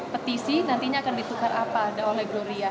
petisi nantinya akan ditukar apa ada oleh gloria